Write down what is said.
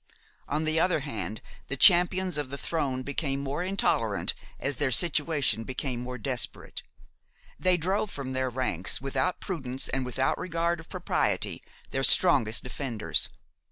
On the other hand, the champions of the throne became more intolerant as their situation became more desperate. They drove from their ranks, without prudence and without regard for propriety, their strongest defenders.